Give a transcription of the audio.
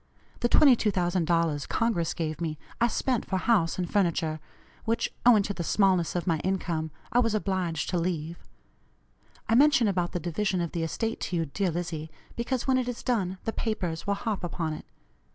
The $22,000 Congress gave me I spent for house and furniture, which, owing to the smallness of my income, I was obliged to leave. I mention about the division of the estate to you, dear Lizzie, because when it is done the papers will harp upon it.